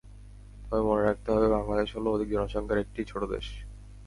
তবে মনে রাখতে হবে, বাংলাদেশ হলো অধিক জনসংখ্যার একটি ছোট দেশ।